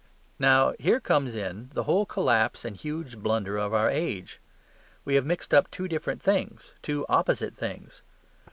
Now here comes in the whole collapse and huge blunder of our age. We have mixed up two different things, two opposite things.